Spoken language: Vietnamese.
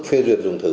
phê duyệt dùng thử